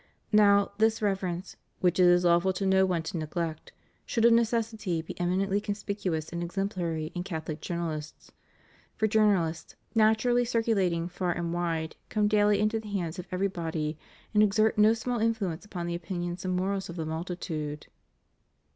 Now, this reverence, "which it is lawful to no one to neglect," should of neces sity be eminently conspicuous and exemplary in Catholic journalists. For journals, naturally circulating far and wide, come daily into the hands of everybody, and exert no small influence upon the opinions and morals of the multitude.